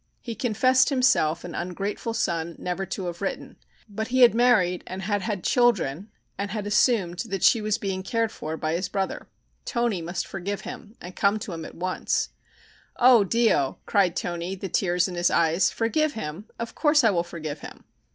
He confessed himself an ungrateful son never to have written, but he had married and had had children, and he had assumed that she was being cared for by his brother. Toni must forgive him and come to him at once. "O Dio!" cried Toni, the tears in his eyes. "Forgive him? Of course I will forgive him!